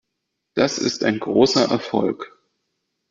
Das ist ein großer Erfolg.